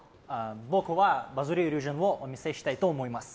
僕は、バズりイリュージョンをお見せしたいと思います。